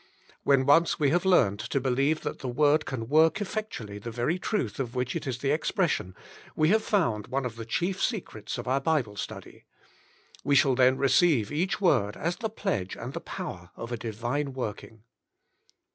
When once we have learned to believe that the Word can work effectu 42 The Inner Chamber ally the very truth of which it is the expression; we have found one of the chief secrets of our Bible Study. We shall then receive each word as the pledge and the power of a Divine working.